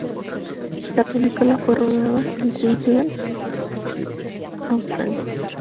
La película fue rodada en Queensland, Australia.